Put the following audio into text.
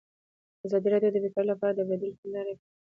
ازادي راډیو د بیکاري لپاره د بدیل حل لارې په اړه برنامه خپاره کړې.